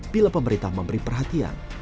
bila pemerintah memberi perhatian